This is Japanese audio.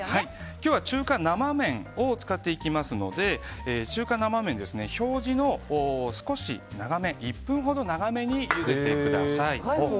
今日は中華生麺を使っていきますので中華生麺、表示の少し長め１分ほど長めにゆでてください。